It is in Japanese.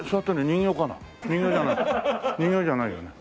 人形じゃないよね。